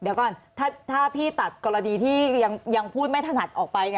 เดี๋ยวก่อนถ้าพี่ตัดกรณีที่ยังพูดไม่ถนัดออกไป